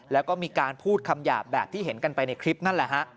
แล้วก็มีการพูดคำหยาบแบบที่เห็นกันไปในคลิปนั่นแหละฮะ